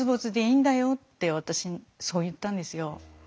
私にそう言ったんですよ。